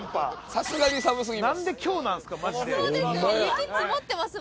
さすがに寒すぎます